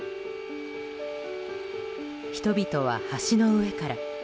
人々は橋の上から。